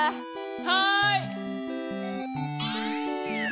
はい！